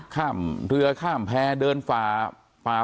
ข้ามเรือข้ามแพ้เดินฝา